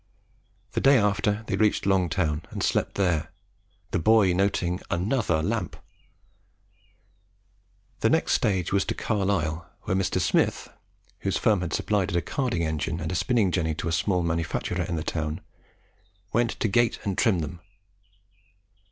The day after, they reached Longtown, and slept there; the boy noting ANOTHER lamp. The next stage was to Carlisle, where Mr. Smith, whose firm had supplied a carding engine and spinning jenny to a small manufacturer in the town, went to "gate" and trim them.